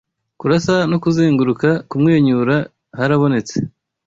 Kurasa no kuzenguruka; kumwenyura harabonetse